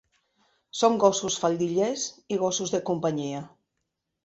Són gossos faldillers i gossos de companyia.